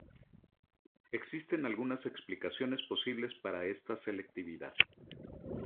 Existen algunas explicaciones posibles para esta selectividad.